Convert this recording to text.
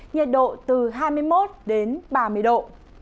nhiệt độ từ hai mươi một đến ba mươi độ